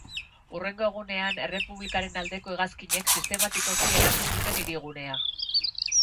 Hurrengo egunean, Errepublikaren aldeko hegazkinek, sistematikoki eraso zuten hirigunea.